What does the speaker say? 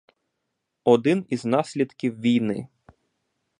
Один із наслідків війни.